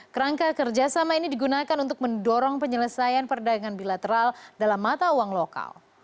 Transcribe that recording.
kerangka kerjasama ini digunakan untuk mendorong penyelesaian perdagangan bilateral dalam mata uang lokal